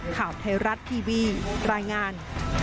ข่าวไทยรัฐทีวีรายงาน